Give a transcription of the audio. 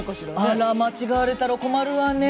あら間違われたら困るわね。